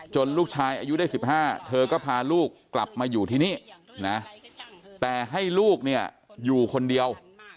ลูกชายอายุได้๑๕เธอก็พาลูกกลับมาอยู่ที่นี่นะแต่ให้ลูกเนี่ยอยู่คนเดียว